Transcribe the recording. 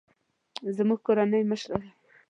زموږ کورنۍ مشره ده